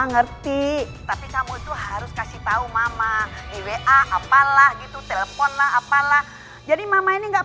ngerti tapi kamu tuh harus kasih tahu mama iwa apalah gitu teleponlah apalah jadi mama ini enggak